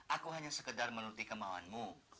aku hanya sekedar menuruti kemauanmu